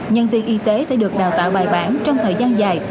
nhân viên y tế phải được đào tạo bài bản trong thời gian dài